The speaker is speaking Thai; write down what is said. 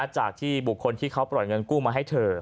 จากที่บุคคลที่เขาปล่อยเงินกู้มาให้เธอ